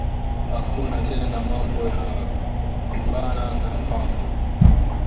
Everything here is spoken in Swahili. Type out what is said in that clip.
Akuna tena mambo ya kwibana ma mpango